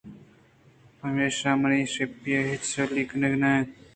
پمیشا منا شپی ہچ سِلّی کنگی نہ اِنت